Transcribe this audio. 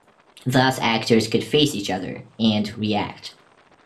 Thus actors could face each other and react.